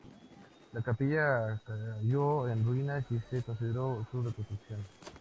La capilla cayó en ruinas, y se consideró su reconstrucción.